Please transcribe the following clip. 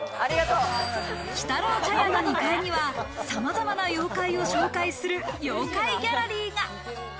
鬼太郎茶屋の２階にはさまざまな妖怪を紹介する妖怪ギャラリーが。